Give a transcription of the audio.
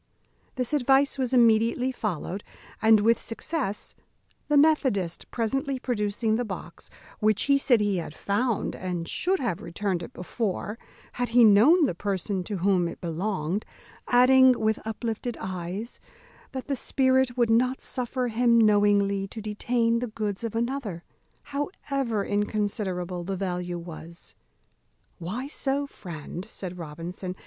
This advice was immediately followed, and with success, the methodist presently producing the box, which, he said, he had found, and should have returned it before, had he known the person to whom it belonged; adding, with uplifted eyes, that the spirit would not suffer him knowingly to detain the goods of another, however inconsiderable the value was. "Why so, friend?" said Robinson.